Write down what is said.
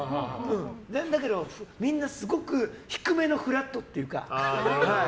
なんだけど、みんなすごく低めのフラットっていうか。